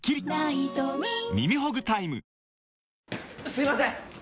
すいません！